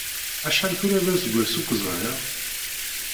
Acḥal tura d aseggas ur k-ẓriɣ?